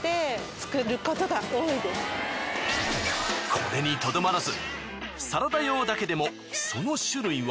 これにとどまらずサラダ用だけでもその種類は。